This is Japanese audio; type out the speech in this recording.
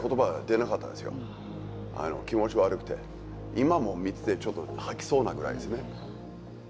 今も見ててちょっと吐きそうなぐらいですね。